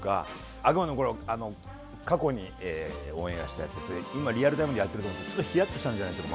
あくまでもこれ過去にオンエアしたやつですので今リアルタイムでやってると思ってちょっとひやっとしたんじゃないですか。